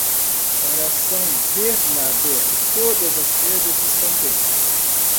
Para San Bernabé, todas as perdas estão bem.